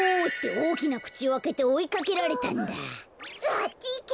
あっちいけ！